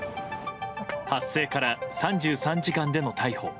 発生から３３時間での逮捕。